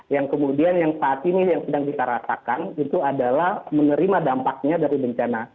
yang kemudian yang saat ini yang sedang kita rasakan itu adalah menerima dampaknya dari bencana